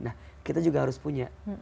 nah kita juga harus punya